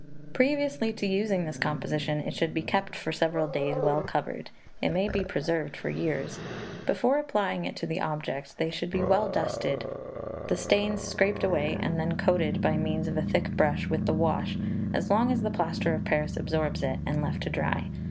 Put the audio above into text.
Previously to using this composition, it should be kept for several days well covered. It may be preserved for years. Before applying it to the objects, they should be well dusted, the stains scraped away, and then coated, by means of a thick brush, with the wash, as long as the plaster of Paris absorbs it, and left to dry.